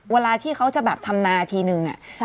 เวลาที่เขาจะแบบทำนาทีหนึ่งอะใช่